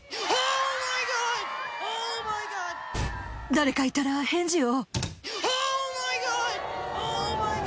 誰かいたら返事を。